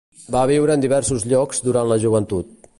Va viure en diversos llocs durant la joventut.